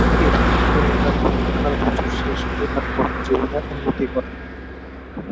এভাবেই তিনি তার পরীক্ষার বছর শেষ করে তার কর্মজীবনে উন্নতি করেন।